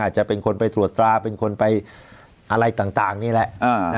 จะเป็นคนไปตรวจตราเป็นคนไปอะไรต่างนี่แหละ